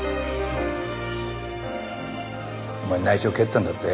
お前内調蹴ったんだって？